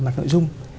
mặt nội dung